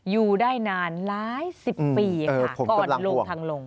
อยู่ได้นานหลายสิบปีค่ะก่อนลงทางลง